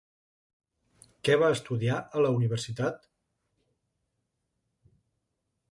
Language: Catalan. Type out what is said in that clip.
Què va estudiar a la universitat?